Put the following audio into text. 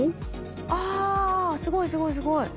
あすごいすごいすごい。